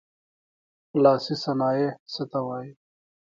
لاسي صنایع څه ته وايي.